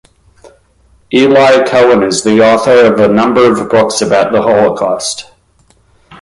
Elie Cohen is the author of a number of books about the Holocaust.